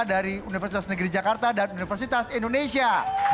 dari universitas negeri jakarta dan universitas indonesia